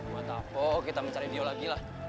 mata apa kita mencari dia lagi lah